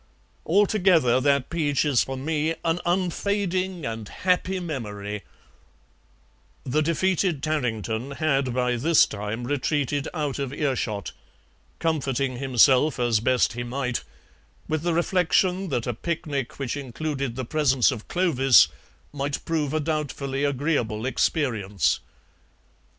Altogether, that peach is for me an unfading and happy memory " The defeated Tarrington had by this time retreated out of ear shot, comforting himself as best he might with the reflection that a picnic which included the presence of Clovis might prove a doubtfully agreeable experience.